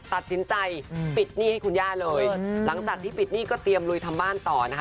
ตัดสินใจปิดหนี้ให้คุณย่าเลยหลังจากที่ปิดหนี้ก็เตรียมลุยทำบ้านต่อนะคะ